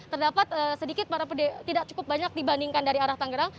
terdapat sedikit tidak cukup banyak dibandingkan dari arah tanggrang